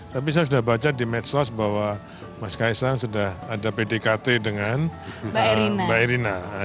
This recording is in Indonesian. tapi saya sudah baca di medsos bahwa mas kaisang sudah ada pdkt dengan mbak erina